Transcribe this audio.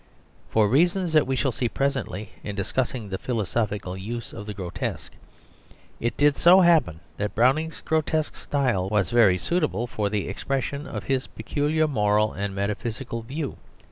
For reasons that we shall see presently in discussing the philosophical use of the grotesque, it did so happen that Browning's grotesque style was very suitable for the expression of his peculiar moral and metaphysical view.